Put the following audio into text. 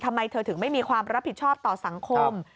ทำไมเธอถึงไม่มีความรับผิดชอบต่อสังคม